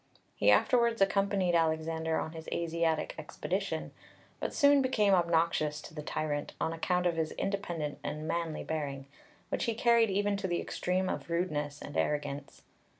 He afterwards accompanied Alexander on his Asiatic expedition, but soon became obnoxious to the tyrant on account of his independent and manly bearing, which he carried even to the extreme of rudeness and arrogance.